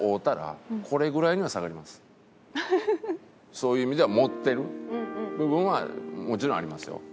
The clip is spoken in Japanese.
そういう意味では盛ってる部分はもちろんありますよ。